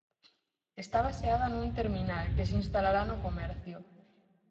Está baseada nun terminal que se instalará no comercio.